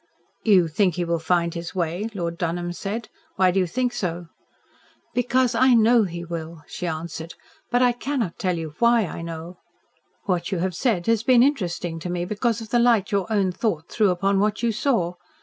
"You think he will find his way?" Lord Dunholm said. "Why do you think so?" "Because I KNOW he will," she answered. "But I cannot tell you WHY I know." "What you have said has been interesting to me, because of the light your own thought threw upon what you saw.